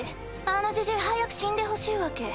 あのジジイ早く死んでほしいわけ。